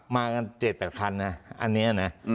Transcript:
มากัน๗๘คันนะอันนี้นะ